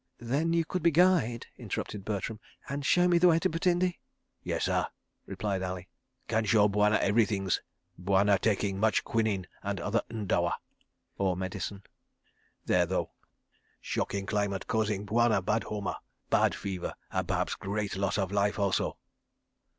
"Then you could be guide," interrupted Bertram, "and show me the way to Butindi?" "Yes, sah," replied Ali, "can show Bwana everythings. ... Bwana taking much quinine and other n'dawa {133a} there though. Shocking climate causing Bwana bad homa, bad fever, and perhaps great loss of life also.